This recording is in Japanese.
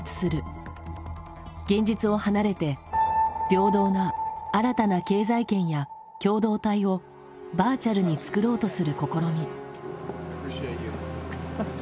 現実を離れて平等な新たな経済圏や共同体をバーチャルに作ろうとする試み。